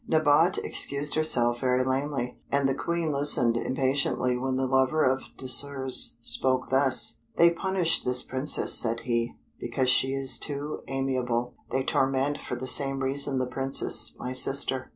Nabote excused herself very lamely, and the Queen listened impatiently when the lover of Désirs spoke thus: "They punish this Princess," said he, "because she is too amiable; they torment for the same reason the Princess my sister.